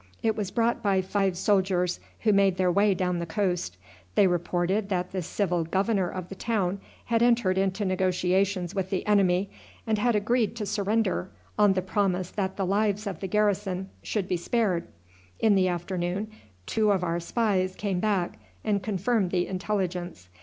It was brought by five soldiers who made their way down the coast. They reported that the civil governor of the town had entered into negotiations with the enemy, and had agreed to surrender on the promise that the lives of the garrison should be spared. In the afternoon two of our spies came back and confirmed the intelligence.